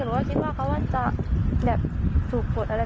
เชิงชู้สาวกับผอโรงเรียนคนนี้